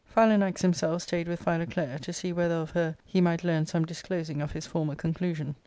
Philanax himself stayed with Philoclea, to see whether of her he might learn some disclosing of his former conclusion.